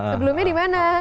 sebelumnya di mana